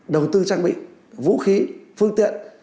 đầu tư trang bị vũ khí phương tiện